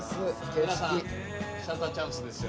皆さんシャッターチャンスですよ。